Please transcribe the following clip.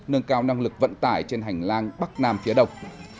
nâng cao năng lực vận tải trên hành lang bắc nam phía đông